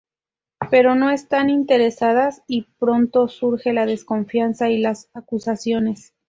Pero no están interesadas y pronto surge la desconfianza y las acusaciones.